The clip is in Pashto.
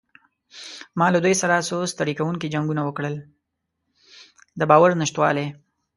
د باور نشتوالی.